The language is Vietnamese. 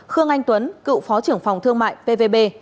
khương anh tuấn cựu phó trưởng phòng thương mại pvb